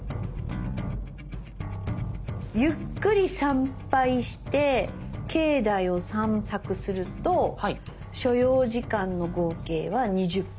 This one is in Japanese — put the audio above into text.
ゆっくり参拝して境内を散策すると所要時間の合計は２０分。